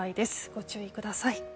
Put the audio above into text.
ご注意ください。